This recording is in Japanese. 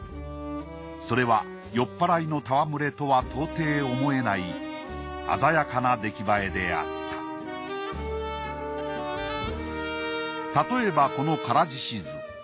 それは酔っ払いの戯れとは到底思えない鮮やかな出来栄えであったたとえばこの『唐獅子図』。